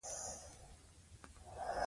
غازيان به بیا تږي او ستړي نه سي.